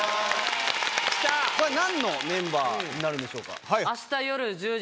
これは何のメンバーになるんでしょうか？